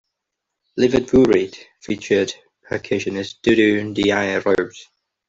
"Live at Vooruit" featured percussionist Doudou N'Diaye Rose.